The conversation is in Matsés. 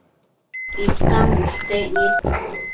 Isan bushtec nid